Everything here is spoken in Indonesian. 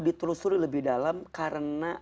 ditelusuri lebih dalam karena